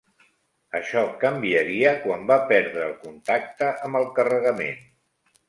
Això canviaria quan va perdre el contacte amb el carregament.